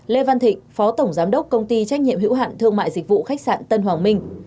lê văn thịnh phó tổng giám đốc công ty trách nhiệm hữu hạn thương mại dịch vụ khách sạn tân hoàng minh